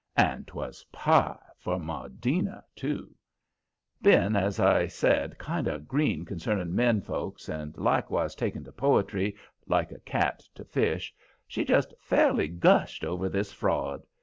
And 'twas pie for Maudina, too. Being, as I said, kind of green concerning men folks, and likewise taking to poetry like a cat to fish, she just fairly gushed over this fraud.